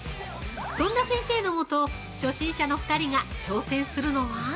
そんな先生のもと、初心者の２人が挑戦するのは？